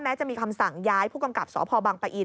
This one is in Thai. จะมีคำสั่งย้ายผู้กำกับสพบังปะอิน